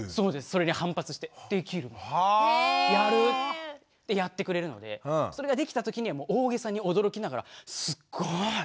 それに反発して「できるもんやる！」ってやってくれるのでそれができたときにはもう大げさに驚きながら「すっごい！